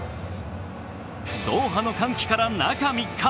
ドーハの歓喜から中３日。